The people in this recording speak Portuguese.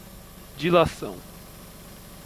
dilação